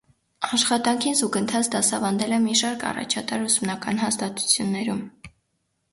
Աշխատանքին զուգընթաց դասավանդել է մի շարք առաջատար ուսումնական հաստատություններում։